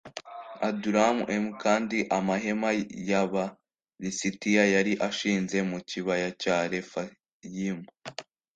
Adulamu m kandi amahema y Aba lisitiya yari ashinze mu kibaya cya Refayimu